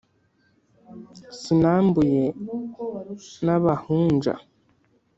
Sinambuye n'abahanju